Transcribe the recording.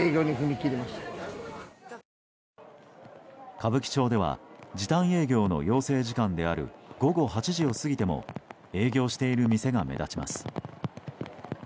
歌舞伎町では時短営業の要請時間である午後８時を過ぎても営業をしている店が目立ちます。